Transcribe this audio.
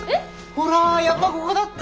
ほらやっぱこごだった！